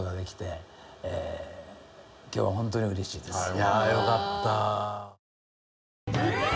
いやあよかった。